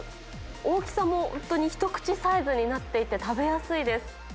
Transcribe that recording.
大きさも本当に一口サイズになっていて、食べやすいです。